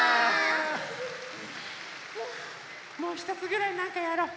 もうひとつぐらいなんかやろう。